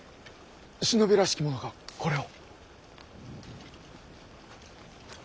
忍びらしき者がこれを。